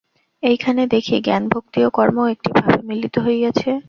এইখানে দেখি, জ্ঞান ভক্তি ও কর্ম একটি ভাবে মিলিত হইয়াছে।